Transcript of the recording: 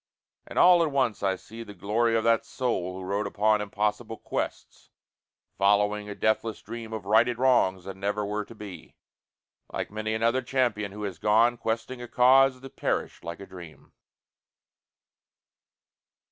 And all at once I see The glory of that soul who rode upon Impossible quests, following a deathless dream Of righted wrongs, that never were to be, Like many another champion who has gone Questing a cause that perished like a dream.